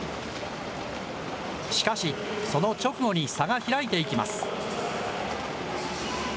しかし、その直後に差が開いていきます。